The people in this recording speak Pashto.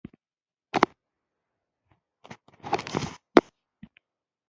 د ده د وزارت دوره د هرات د ریسانس دوره وبلل شوه.